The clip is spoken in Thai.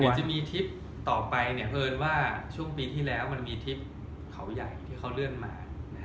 จะมีทริปต่อไปเพราะเอิญว่าช่วงปีที่แล้วมันมีทริปเขาใหญ่ที่เขาเลื่อนมา